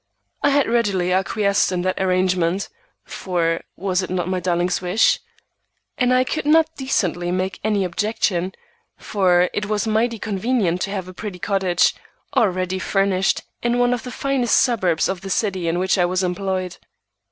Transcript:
I had readily acquiesced in that arrangement, for was it not my darling's wish? And I could not decently make any objection, for it was mighty convenient to have a pretty cottage, ready furnished, in one of the finest suburbs of the city in which I was employed.